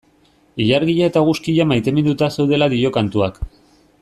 Ilargia eta eguzkia maiteminduta zeudela dio kantuak.